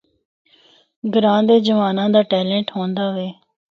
گراں دے جواناں the talent ہوندا وے۔